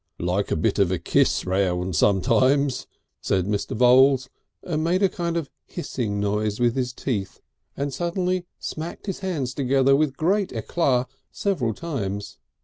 "Like a bit of a kiss round sometimes," said Mr. Voules, and made a kind of hissing noise with his teeth, and suddenly smacked his hands together with great éclat several times.